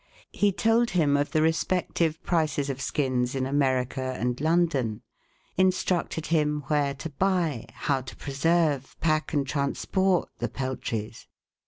He told him of the respective prices 47 The Original John Jacob Astor of skins in America and London ; instructed him where to buy, how to preserve, pack, and transport the pel tries.